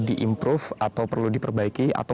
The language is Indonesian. diimprove atau perlu diperbaiki atau